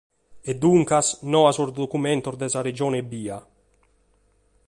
E duncas, no a sos documentos de sa Regione ebbia.